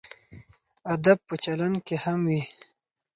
ادب په چلند کې هم وي.